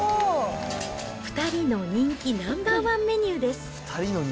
２人の人気ナンバー１メニューです。